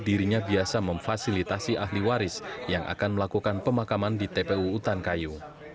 dirinya biasa memfasilitasi ahli waris yang akan melakukan pemakaman di tpu utan kayu